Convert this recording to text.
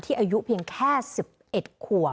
อายุเพียงแค่๑๑ขวบ